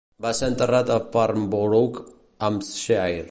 Va ser enterrat a Farnborough, Hampshire.